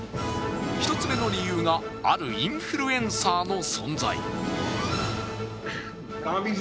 １つ目の理由が、あるインフルエンサーの存在。